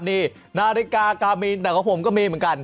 นี่นาฬิกากามีนแต่ของผมก็มีเหมือนกัน